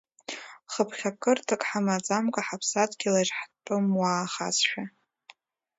Хыԥхьакырҭак ҳамаӡамкәа, ҳаԥсадгьылаҿ, ҳтәымуаахазшәа…